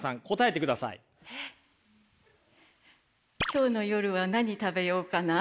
今日の夜は何食べようかな？